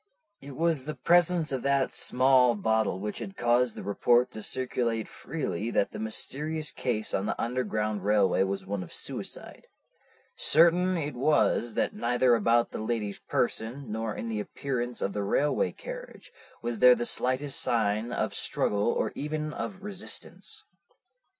"It was the presence of that small bottle which had caused the report to circulate freely that the mysterious case on the Underground Railway was one of suicide. Certain it was that neither about the lady's person, nor in the appearance of the railway carriage, was there the slightest sign of struggle or even of resistance.